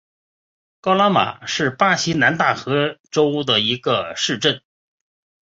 高拉马是巴西南大河州的一个市镇。